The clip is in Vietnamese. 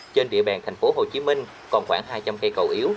trên địa bàn thành phố hồ chí minh còn khoảng hai trăm linh cây cầu yếu